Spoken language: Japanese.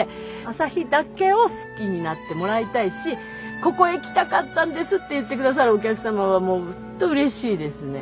朝日岳を好きになってもらいたいし「ここへ来たかったんです」って言って下さるお客様はもうほんとうれしいですね。